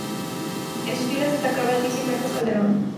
En sus filas destacaban Luis y Marcos Calderón.